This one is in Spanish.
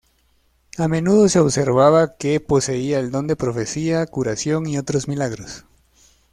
A menudo se observaba que poseían el don de profecía, curación y otros milagros.